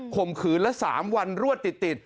ข่มขืนแล้ว๓วันรั่วติด